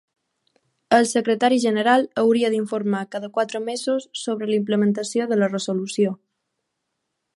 El Secretari General hauria d'informar cada quatre mesos sobre la implementació de la resolució.